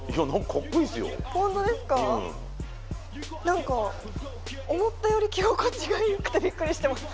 何か思ったより着心地がよくてびっくりしてます。